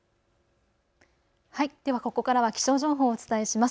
ではここからは気象情報をお伝えします。